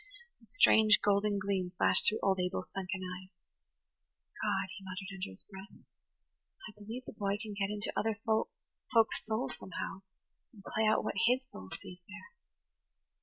The strange, golden gleam flashed through old Abel's sunken eyes. "God," he muttered under his breath, "I believe the boy can get into other folk's souls somehow, and play out what his soul sees there."